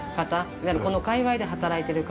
いわゆるこの界隈で働いている方